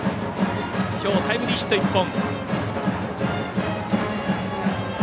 今日、タイムリーヒット１本。